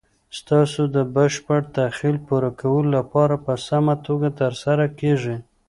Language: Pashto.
ستاسو د بشپړ تخیل پوره کولو لپاره په سمه توګه تر سره کیږي.